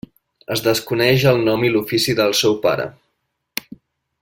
Es desconeix el nom i l'ofici del seu pare.